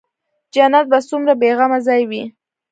جنت به څومره بې غمه ځاى وي.